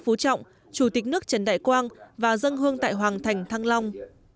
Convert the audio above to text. phú trọng chủ tịch nước trần đại quang và dân hương tại hoàng thành thăng long